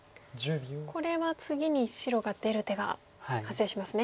これは次に白が出る手が発生しますね。